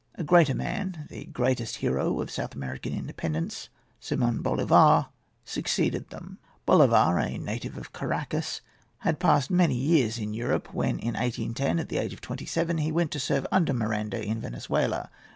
A greater man, the greatest hero of South American independence, Simon Bolivar, succeeded them. Bolivar, a native of Caraccas, had passed many years in Europe, when in 1810, at the age of twenty seven, he went to serve under Miranda in Venezuela.